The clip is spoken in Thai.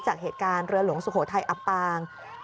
จากเหตุการณ์เรือหลวงสุโขทัยอับปาง